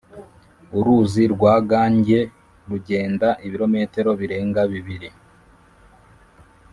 uruzi rwa gange rugenda ibirometero birenga bibiri